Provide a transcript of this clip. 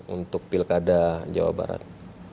untuk pilkada jawa barat